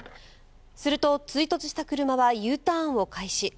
すると追突した車はＵターンを開始。